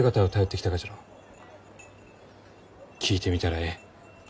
聞いてみたらえい。